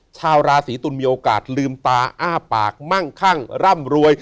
ชาวราศีตุลมีโอกาสลืมตาอ้าปากมั่งคั่งร่ำรวย